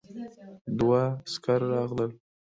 دوه عسکر راغلل.